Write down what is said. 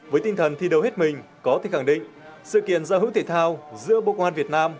với tinh thần thi đấu hết mình có thể khẳng định sự kiện giao hữu thể thao giữa bộ công an việt nam